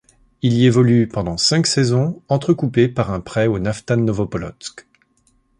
Il y évolue pendant cinq saisons, entrecoupées par un prêt au Naftan Novopolotsk.